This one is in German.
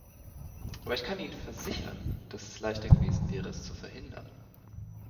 Aber ich kann Ihnen versichern, dass es leichter gewesen wäre, es zu verhindern.